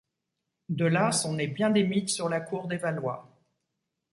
De là, sont nés bien des mythes sur la cour des Valois.